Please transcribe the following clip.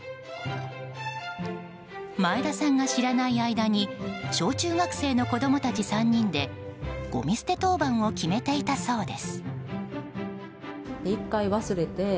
前田さんが知らない間に小中学生の子供たち３人でごみ捨て当番を決めていたそうです。